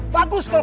ya gue seneng